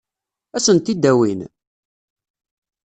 Ad sent-t-id-awin?